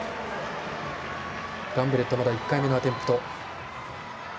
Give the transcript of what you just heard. ガンブレットまだ１回目のアテンプト。